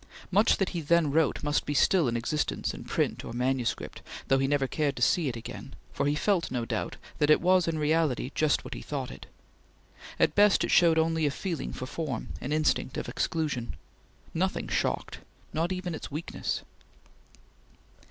Much that he then wrote must be still in existence in print or manuscript, though he never cared to see it again, for he felt no doubt that it was in reality just what he thought it. At best it showed only a feeling for form; an instinct of exclusion. Nothing shocked not even its weakness.